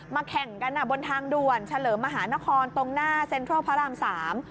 แข่งกันอ่ะบนทางด่วนเฉลิมมหานครตรงหน้าเซ็นทรัลพระรามสาม